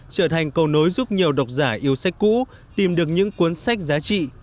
trở thành câu nối giúp nhiều đọc giả yêu sách cũ tìm được những cuốn sách giá trị